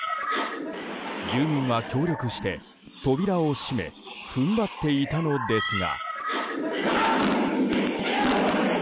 住民は協力して扉を閉め踏ん張っていたのですが。